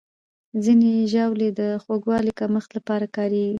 ځینې ژاولې د خوږوالي کمښت لپاره کارېږي.